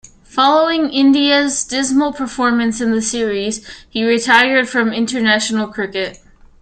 Following India's dismal performance in the series, he retired from international cricket.